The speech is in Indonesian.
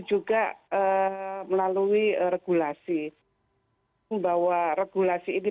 juga melalui regulasi bahwa regulasi ini